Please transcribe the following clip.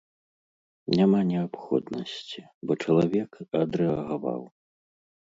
Няма неабходнасці, бо чалавек адрэагаваў.